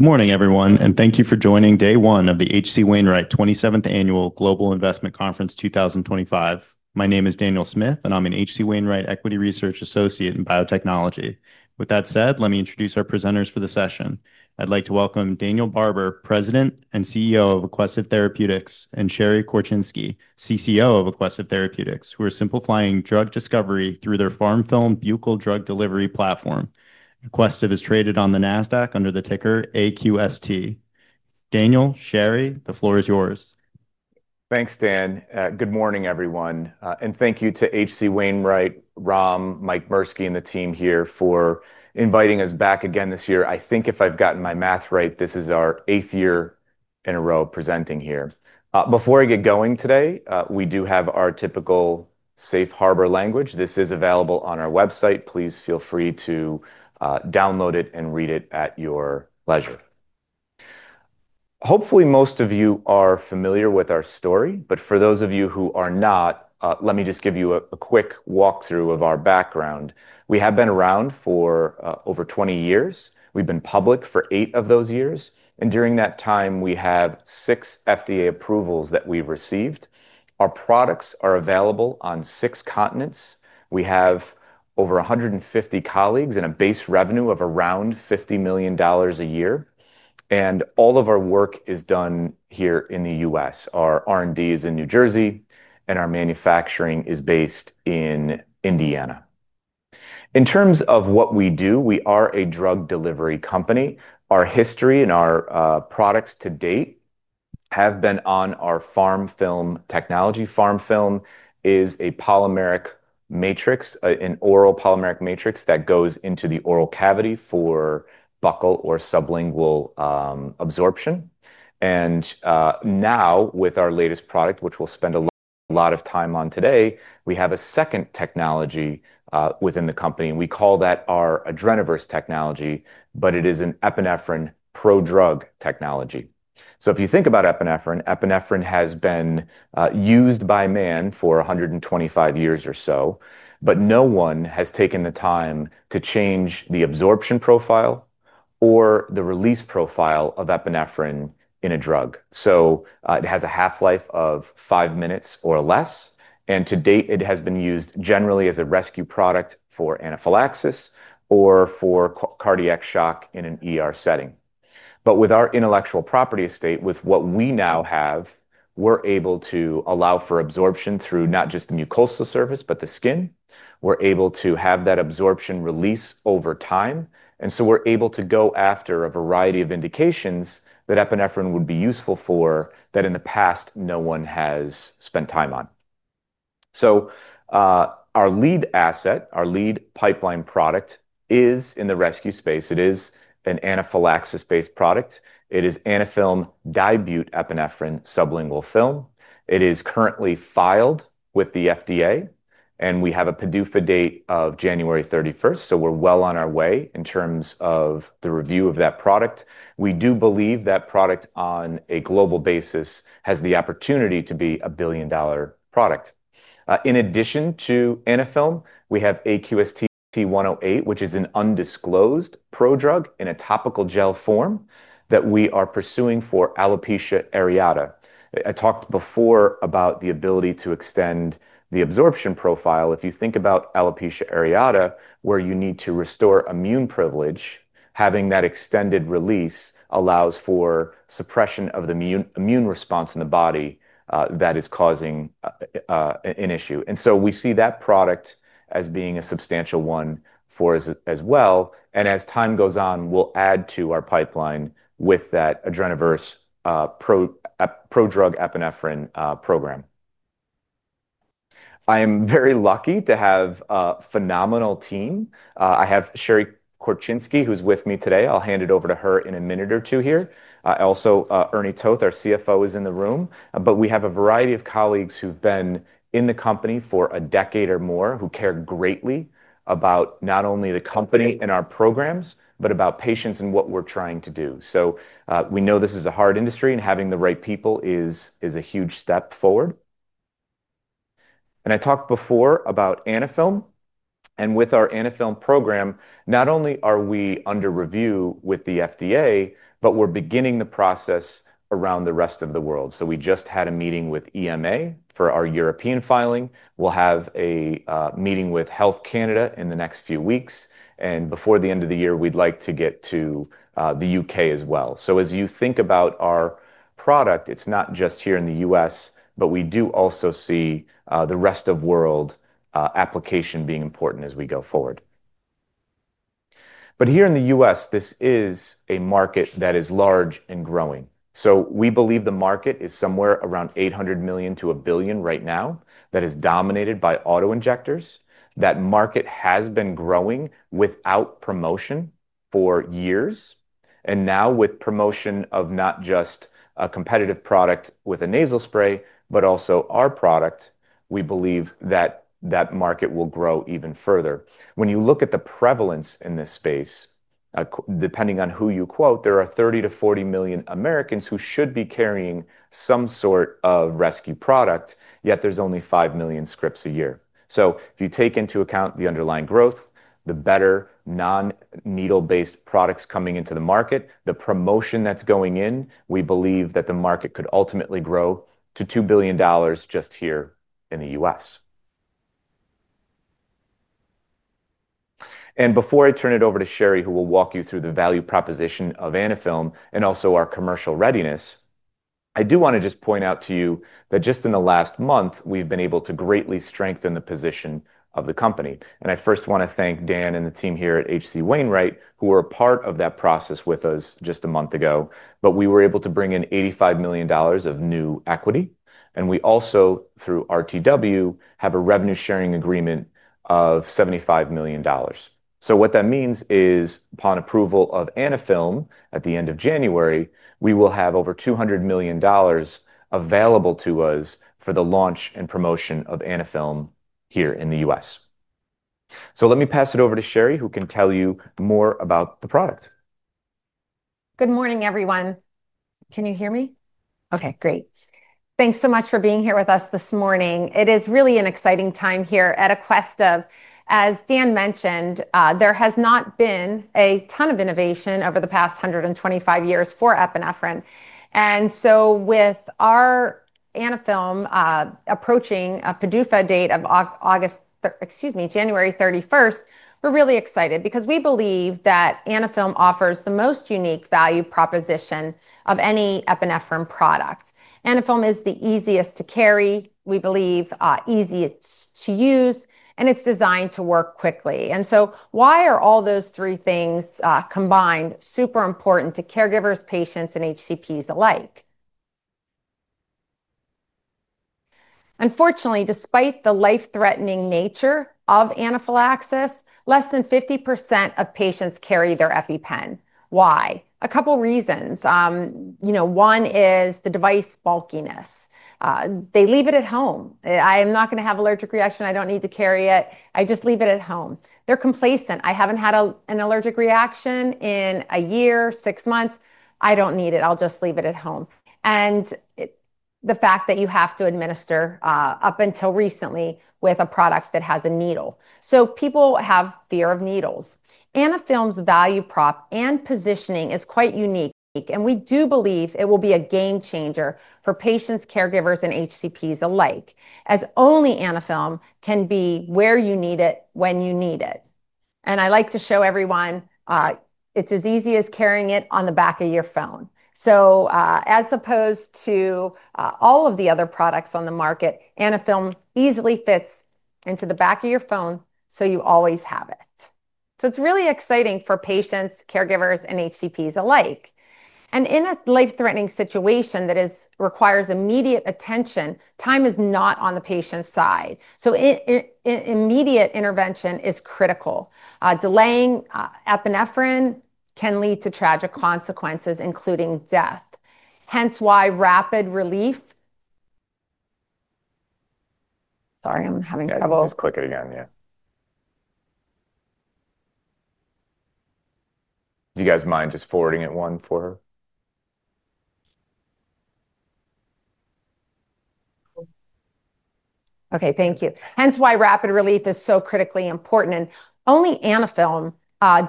Morning everyone, and thank you for joining Day One of the H. C. Wainwright 27th Annual Global Investment Conference 2025. My name is Daniel Smith, and I'm an H. C. Wainwright Equity Research Associate in Biotechnology. With that said, let me introduce our presenters for the session. I'd like to welcome Daniel Barber, President and CEO of Aquestive Therapeutics, and Sherry Korczynski, Chief Commercial Officer of Aquestive Therapeutics, who are simplifying drug discovery through their PharmFilm Buccal Drug Delivery platform. Aquestive is traded on the NASDAQ under the ticker AQST. Daniel, Sherry, the floor is yours. Thanks, Dan. Good morning, everyone, and thank you to H. C. Wainwright, Ram, Mike Mursky, and the team here for inviting us back again this year. I think if I've gotten my math right, this is our eighth year in a row presenting here. Before I get going today, we do have our typical Safe Harbor language. This is available on our website. Please feel free to download it and read it at your leisure. Hopefully, most of you are familiar with our story, but for those of you who are not, let me just give you a quick walkthrough of our background. We have been around for over 20 years. We've been public for eight of those years, and during that time, we have six FDA approvals that we've received. Our products are available on six continents. We have over 150 colleagues and a base revenue of around $50 million a year, and all of our work is done here in the U.S. Our R&D is in New Jersey, and our manufacturing is based in Indiana. In terms of what we do, we are a drug delivery company. Our history and our products to date have been on our PharmFilm technology. PharmFilm is a polymeric matrix, an oral polymeric matrix that goes into the oral cavity for buccal or sublingual absorption. With our latest product, which we'll spend a lot of time on today, we have a second technology within the company, and we call that our Adrenaverse technology, but it is an epinephrine prodrug technology. If you think about epinephrine, epinephrine has been used by man for 125 years or so, but no one has taken the time to change the absorption profile or the release profile of epinephrine in a drug. It has a half-life of five minutes or less, and to date, it has been used generally as a rescue product for anaphylaxis or for cardiac shock in an acute setting. With our intellectual property estate, with what we now have, we're able to allow for absorption through not just the mucosal surface but the skin. We're able to have that absorption release over time, and we're able to go after a variety of indications that epinephrine would be useful for that in the past no one has spent time on. Our lead asset, our lead pipeline product, is in the rescue space. It is an anaphylaxis-based product. It is Anaphylm, epinephrine sublingual film. It is currently filed with the FDA, and we have a PDUFA date of January 31, so we're well on our way in terms of the review of that product. We do believe that product, on a global basis, has the opportunity to be a billion-dollar product. In addition to Anaphylm, we have AQST-108, which is an undisclosed prodrug in a topical gel form that we are pursuing for alopecia areata. I talked before about the ability to extend the absorption profile. If you think about alopecia areata, where you need to restore immune privilege, having that extended release allows for suppression of the immune response in the body that is causing an issue. We see that product as being a substantial one for us as well, and as time goes on, we'll add to our pipeline with that Adrenaverse prodrug epinephrine program. I am very lucky to have a phenomenal team. I have Sherry Korczynski, who's with me today. I'll hand it over to her in a minute or two here. I also have Ernie Toth, our CFO, in the room, and we have a variety of colleagues who've been in the company for a decade or more who care greatly about not only the company and our programs but about patients and what we're trying to do. We know this is a hard industry, and having the right people is a huge step forward. I talked before about Anaphylm, and with our Anaphylm program, not only are we under review with the FDA, but we're beginning the process around the rest of the world. We just had a meeting with EMA for our European filing. We'll have a meeting with Health Canada in the next few weeks, and before the end of the year, we'd like to get to the UK as well. As you think about our product, it's not just here in the U.S., but we do also see the rest of the world application being important as we go forward. Here in the U.S., this is a market that is large and growing. We believe the market is somewhere around $800 million to $1 billion right now that is dominated by autoinjectors. That market has been growing without promotion for years, and now with promotion of not just a competitive product with a nasal spray but also our product, we believe that that market will grow even further. When you look at the prevalence in this space, depending on who you quote, there are 30-40 million Americans who should be carrying some sort of rescue product, yet there's only 5 million scripts a year. If you take into account the underlying growth, the better non-needle-based products coming into the market, the promotion that's going in, we believe that the market could ultimately grow to $2 billion just here in the U.S. Before I turn it over to Sherry, who will walk you through the value proposition of Anaphylm and also our commercial readiness, I do want to just point out to you that just in the last month, we've been able to greatly strengthen the position of the company. I first want to thank Dan and the team here at H.C. Wainwright, who were a part of that process with us just a month ago. We were able to bring in $85 million of new equity, and we also, through RTW, have a revenue-sharing agreement of $75 million. What that means is upon approval of Anaphylm at the end of January, we will have over $200 million available to us for the launch and promotion of Anaphylm here in the U.S. Let me pass it over to Sherry, who can tell you more about the product. Good morning, everyone. Can you hear me? OK, great. Thanks so much for being here with us this morning. It is really an exciting time here at Aquestive. As Dan mentioned, there has not been a ton of innovation over the past 125 years for epinephrine. With our Anaphylm approaching a PDUFA date of January 31, we are really excited because we believe that Anaphylm offers the most unique value proposition of any epinephrine product. Anaphylm is the easiest to carry, we believe, easiest to use, and it is designed to work quickly. Why are all those three things combined super important to caregivers, patients, and HCPs alike? Unfortunately, despite the life-threatening nature of anaphylaxis, less than 50% of patients carry their EpiPen. Why? A couple of reasons. One is the device bulkiness. They leave it at home. I am not going to have an allergic reaction. I do not need to carry it. I just leave it at home. They are complacent. I have not had an allergic reaction in a year, six months. I do not need it. I will just leave it at home. The fact that you have to administer up until recently with a product that has a needle. People have fear of needles. Anaphylm's value prop and positioning is quite unique, and we do believe it will be a game changer for patients, caregivers, and HCPs alike, as only Anaphylm can be where you need it when you need it. I like to show everyone it is as easy as carrying it on the back of your phone. As opposed to all of the other products on the market, Anaphylm easily fits into the back of your phone so you always have it. It is really exciting for patients, caregivers, and HCPs alike. In a life-threatening situation that requires immediate attention, time is not on the patient's side. Immediate intervention is critical. Delaying epinephrine can lead to tragic consequences, including death. Hence why rapid relief. Sorry, I'm having trouble. Go ahead, just click it again. Do you guys mind just forwarding it one for her? OK, thank you. Hence why rapid relief is so critically important. Only Anaphylm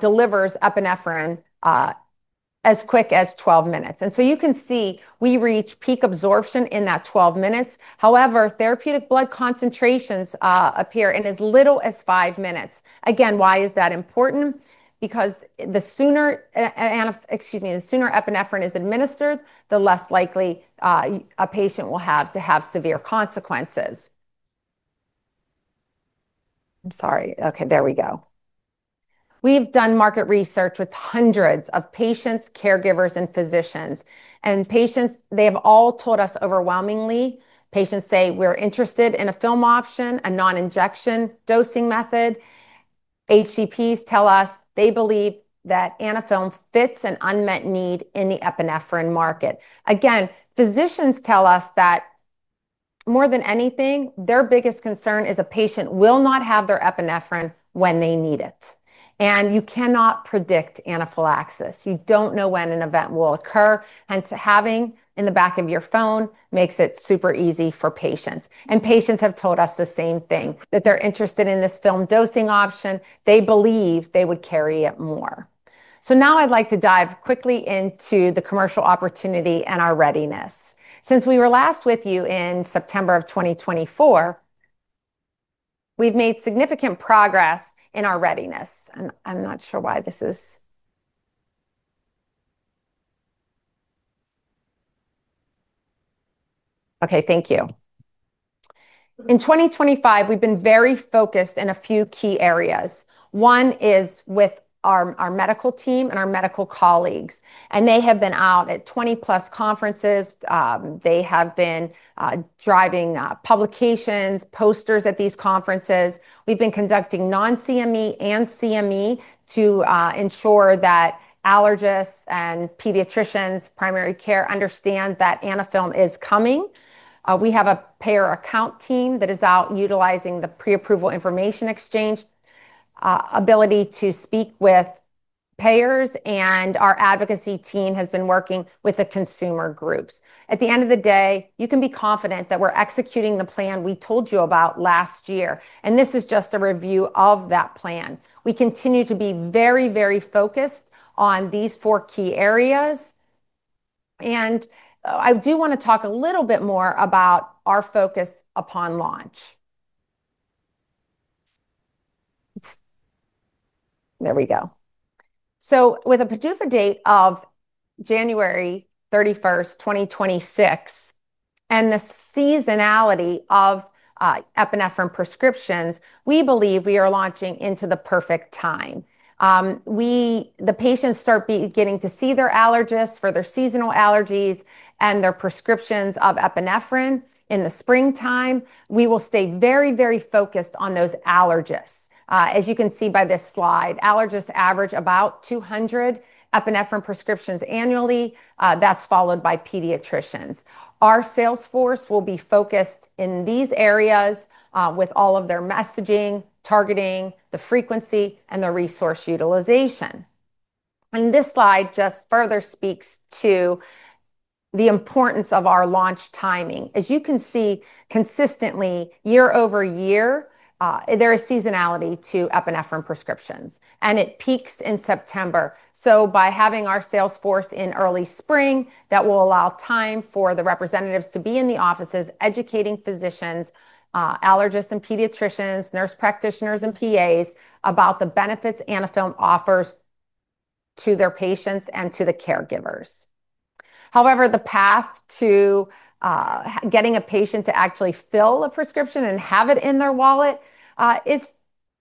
delivers epinephrine as quick as 12 minutes. You can see we reach peak absorption in that 12 minutes. However, therapeutic blood concentrations appear in as little as five minutes. Again, why is that important? Because the sooner, excuse me, the sooner epinephrine is administered, the less likely a patient will have to have severe consequences. I'm sorry. OK, there we go. We've done market research with hundreds of patients, caregivers, and physicians. Patients have all told us overwhelmingly, patients say, we're interested in a film option, a non-injection dosing method. HCPs tell us they believe that Anaphylm fits an unmet need in the epinephrine market. Physicians tell us that more than anything, their biggest concern is a patient will not have their epinephrine when they need it. You cannot predict anaphylaxis. You don't know when an event will occur. Hence, having it in the back of your phone makes it super easy for patients. Patients have told us the same thing, that they're interested in this film dosing option. They believe they would carry it more. Now I'd like to dive quickly into the commercial opportunity and our readiness. Since we were last with you in September of 2024, we've made significant progress in our readiness. I'm not sure why this is. OK, thank you. In 2025, we've been very focused in a few key areas. One is with our medical team and our medical colleagues, and they have been out at 20-plus conferences. They have been driving publications, posters at these conferences. We've been conducting non-CME and CME to ensure that allergists and pediatricians, primary care understand that Anaphylm is coming. We have a payer account team that is out utilizing the pre-approval information exchange ability to speak with payers, and our advocacy team has been working with the consumer groups. At the end of the day, you can be confident that we're executing the plan we told you about last year. This is just a review of that plan. We continue to be very, very focused on these four key areas. I do want to talk a little bit more about our focus upon launch. There we go. With a PDUFA date of January 31, 2026, and the seasonality of epinephrine prescriptions, we believe we are launching into the perfect time. The patients start beginning to see their allergists for their seasonal allergies and their prescriptions of epinephrine in the springtime. We will stay very, very focused on those allergists. As you can see by this slide, allergists average about 200 epinephrine prescriptions annually. That's followed by pediatricians. Our sales force will be focused in these areas with all of their messaging, targeting, the frequency, and the resource utilization. This slide just further speaks to the importance of our launch timing. As you can see, consistently, year over year, there is seasonality to epinephrine prescriptions, and it peaks in September. By having our sales force in early spring, that will allow time for the representatives to be in the offices educating physicians, allergists, and pediatricians, nurse practitioners, and PAs about the benefits Anaphylm offers to their patients and to the caregivers. However, the path to getting a patient to actually fill a prescription and have it in their wallet is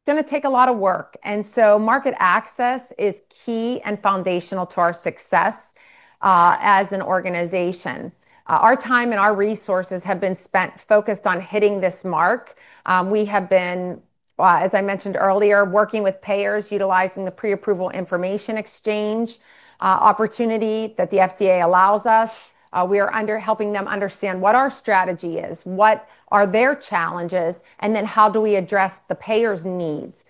going to take a lot of work. Market access is key and foundational to our success as an organization. Our time and our resources have been spent focused on hitting this mark. We have been, as I mentioned earlier, working with payers, utilizing the pre-approval information exchange opportunity that the FDA allows us. We are helping them understand what our strategy is, what are their challenges, and then how do we address the payers' needs.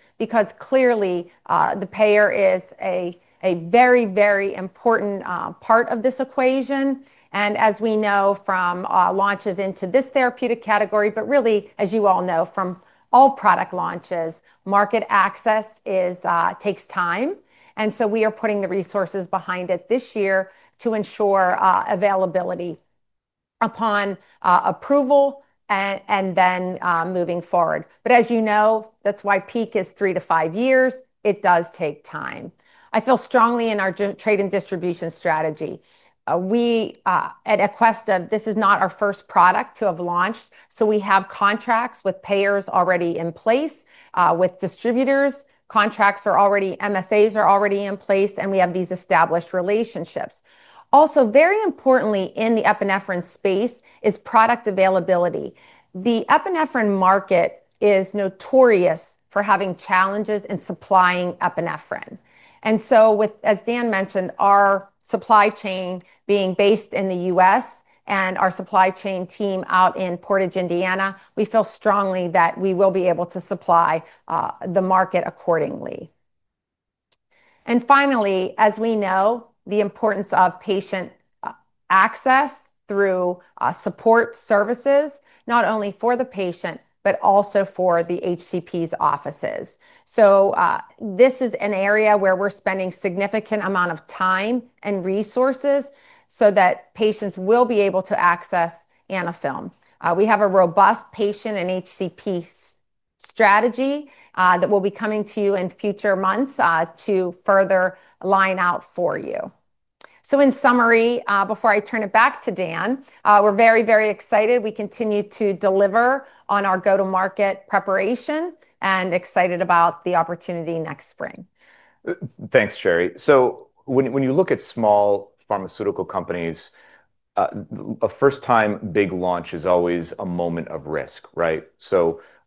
Clearly, the payer is a very, very important part of this equation. As we know from launches into this therapeutic category, but really, as you all know, from all product launches, market access takes time. We are putting the resources behind it this year to ensure availability upon approval and then moving forward. That's why peak is three to five years. It does take time. I feel strongly in our trade and distribution strategy. We at Aquestive, this is not our first product to have launched. We have contracts with payers already in place, with distributors. Contracts are already, MSAs are already in place, and we have these established relationships. Also, very importantly in the epinephrine space is product availability. The epinephrine market is notorious for having challenges in supplying epinephrine. As Dan mentioned, our supply chain is based in the U.S. and our supply chain team is out in Portage, Indiana. We feel strongly that we will be able to supply the market accordingly. Finally, we know the importance of patient access through support services, not only for the patient but also for the HCP's offices. This is an area where we're spending a significant amount of time and resources so that patients will be able to access Anaphylm. We have a robust patient and HCP strategy that will be coming to you in future months to further line out for you. In summary, before I turn it back to Dan, we're very, very excited. We continue to deliver on our go-to-market preparation and are excited about the opportunity next spring. Thanks, Sherry. When you look at small pharmaceutical companies, a first-time big launch is always a moment of risk, right?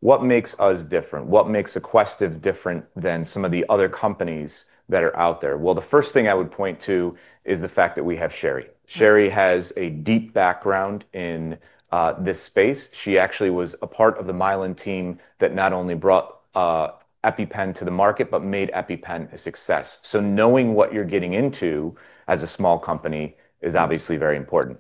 What makes us different? What makes Aquestive different than some of the other companies that are out there? The first thing I would point to is the fact that we have Sherry. Sherry has a deep background in this space. She actually was a part of the Mylan team that not only brought EpiPen to the market but made EpiPen a success. Knowing what you're getting into as a small company is obviously very important.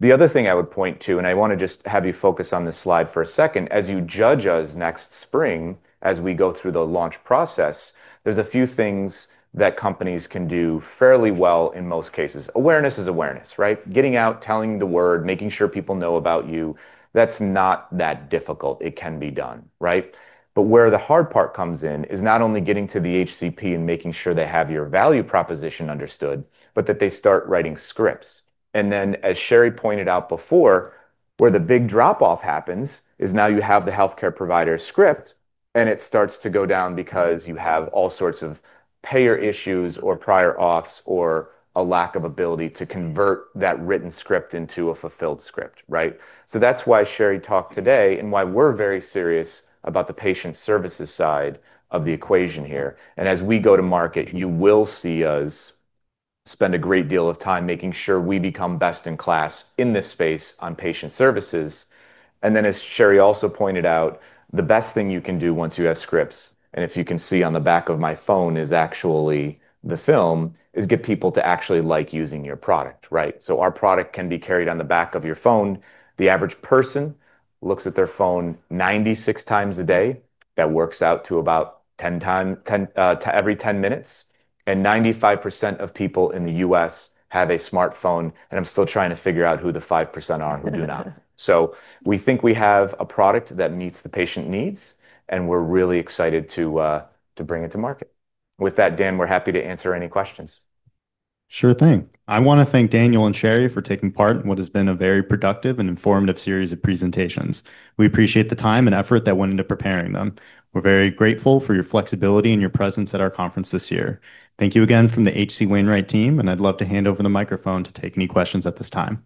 The other thing I would point to, and I want to just have you focus on this slide for a second, as you judge us next spring as we go through the launch process, there are a few things that companies can do fairly well in most cases. Awareness is awareness, right? Getting out, telling the word, making sure people know about you, that's not that difficult. It can be done, right? Where the hard part comes in is not only getting to the HCP and making sure they have your value proposition understood, but that they start writing scripts. As Sherry pointed out before, where the big drop-off happens is now you have the health care provider script, and it starts to go down because you have all sorts of payer issues or prior auths or a lack of ability to convert that written script into a fulfilled script, right? That's why Sherry talked today and why we're very serious about the patient services side of the equation here. As we go to market, you will see us spend a great deal of time making sure we become best in class in this space on patient services. As Sherry also pointed out, the best thing you can do once you have scripts, and if you can see on the back of my phone, is actually the film, is get people to actually like using your product, right? Our product can be carried on the back of your phone. The average person looks at their phone 96x a day. That works out to about every 10 minutes. 95% of people in the U.S. have a smartphone, and I'm still trying to figure out who the 5% are who do not. We think we have a product that meets the patient needs, and we're really excited to bring it to market. With that, Dan, we're happy to answer any questions. Sure thing. I want to thank Daniel and Sherry for taking part in what has been a very productive and informative series of presentations. We appreciate the time and effort that went into preparing them. We're very grateful for your flexibility and your presence at our conference this year. Thank you again from the H. C. Wainwright team, and I'd love to hand over the microphone to take any questions at this time.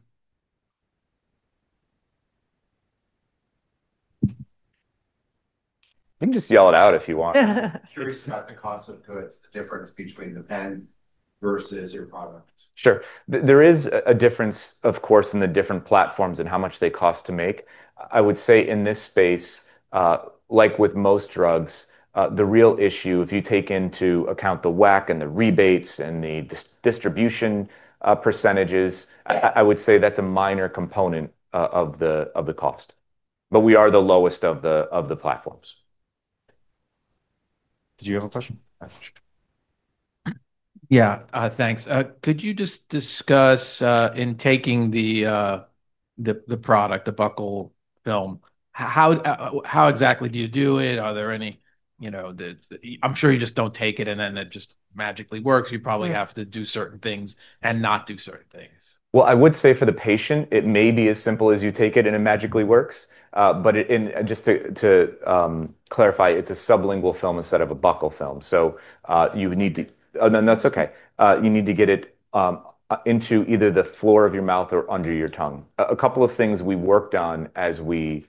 You can just yell it out if you want. It's the cost of goods, the difference between the pen versus your product. Sure. There is a difference, of course, in the different platforms and how much they cost to make. I would say in this space, like with most drugs, the real issue, if you take into account the WAC and the rebates and the distribution %, I would say that's a minor component of the cost. We are the lowest of the platforms. Did you have a question? Yeah, thanks. Could you just discuss, in taking the product, the buccal film, how exactly do you do it? Are there any, you know, I'm sure you just don't take it and then it just magically works. You probably have to do certain things and not do certain things. I would say for the patient, it may be as simple as you take it and it magically works. Just to clarify, it's a sublingual film instead of a buccal film. You need to get it into either the floor of your mouth or under your tongue. A couple of things we worked on as we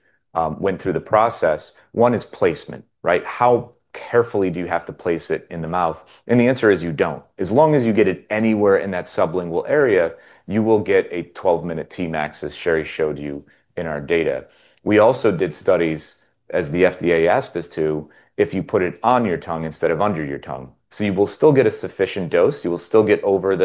went through the process. One is placement, right? How carefully do you have to place it in the mouth? The answer is you don't. As long as you get it anywhere in that sublingual area, you will get a 12-minute T-max as Sherry showed you in our data. We also did studies, as the FDA asked us to, if you put it on your tongue instead of under your tongue. You will still get a sufficient dose. You will still get over.